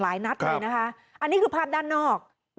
อันนี้คือภาพด้านนอก